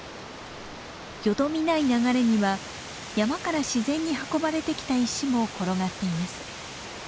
よどみない流れには山から自然に運ばれてきた石も転がっています。